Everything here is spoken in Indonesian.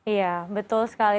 iya betul sekali